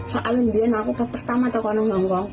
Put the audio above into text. soalnya dia nangkut pertama tau kan nunggang ngang